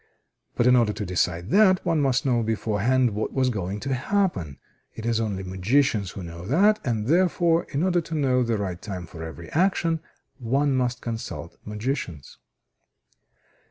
But in order to decide that, one must know beforehand what was going to happen. It is only magicians who know that; and, therefore, in order to know the right time for every action, one must consult magicians.